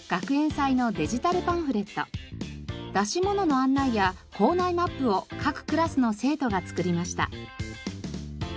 こちらは出し物の案内や校内マップを各クラスの生徒が作りました。